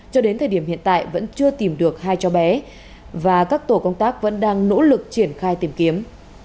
cho đến thời điểm hiện tại vẫn chưa tìm được hai cháu bé và các tổ công tác vẫn đang nỗ lực triển khai tìm kiếm